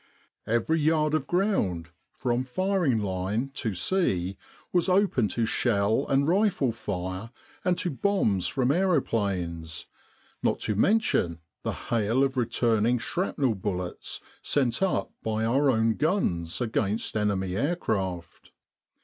Every yard of ground, from firing line to sea, was open to shell and rifle fire and to bombs from aeroplanes, not to mention the hail of returning shrapnel bullets sent up by our own guns against enemy aircraft.